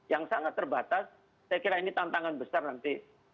yang sangat terbatas saya kira ini tantangan besar nanti